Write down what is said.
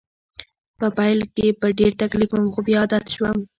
په پیل کې په ډېر تکلیف وم خو بیا عادت شوم